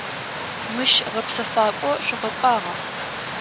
Мыщ гъэпсэфакӏо шъукъэкӏуагъа?